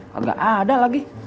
kagak ada lagi